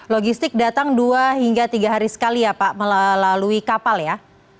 logistik datang dua hingga tiga hari sekali ya pak melalui kapal ya